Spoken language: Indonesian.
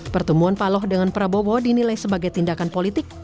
pertemuan paloh dengan prabowo dinilai sebagai tindakan politik